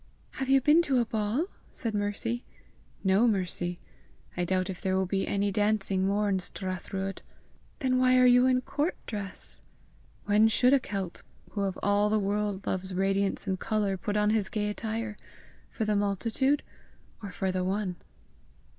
"Have you been to a ball?" said Mercy. "No, Mercy. I doubt if there will be any dancing more in Strathruadh!" "Then why are you in court dress?" "When should a Celt, who of all the world loves radiance and colour, put on his gay attire? For the multitude, or for the one?"